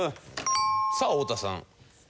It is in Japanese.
さあ太田さん。